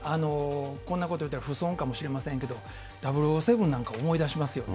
こんなこと言ったら不遜かもしれませんけれども、００７なんかも思い出しますよね。